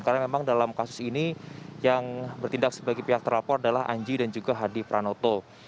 karena memang dalam kasus ini yang bertindak sebagai pihak terlapor adalah anji dan juga hadi pranoto